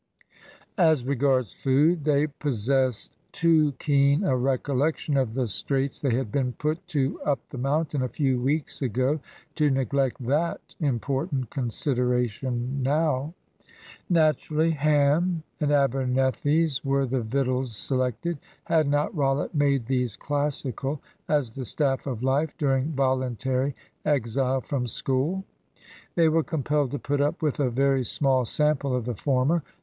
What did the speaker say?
As regards food, they possessed too keen a recollection of the straits they had been put to up the mountain a few weeks ago to neglect that important consideration now. Naturally, ham and Abernethys were the victuals selected. Had not Rollitt made these classical as the staff of life during voluntary exile from school? They were compelled to put up with a very small sample of the former.